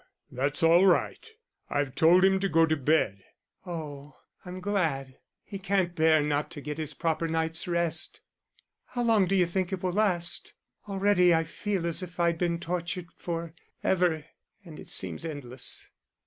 "No, that's all right. I've told him to go to bed." "Oh, I'm glad. He can't bear not to get his proper night's rest.... How long d'you think it will last already I feel as if I'd been tortured for ever, and it seems endless."